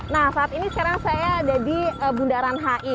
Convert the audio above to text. nah saat ini sekarang saya ada di bundaran hi